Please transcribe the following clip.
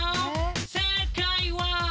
「正解は」